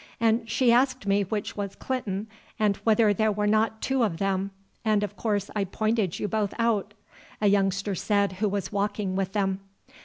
And she asked me which was Clinton, and whether there were not two of them. And of course I pointed you both out," a youngster said who was walking with them.